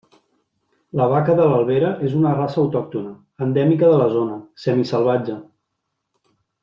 La vaca de l'Albera és una raça autòctona, endèmica de la zona, semisalvatge.